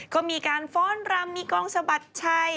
ก็มีการฟ้อนรำมีกองสะบัดชัย